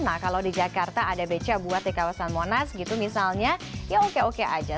nah kalau di jakarta ada beca buat di kawasan monas gitu misalnya ya oke oke aja